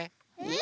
え？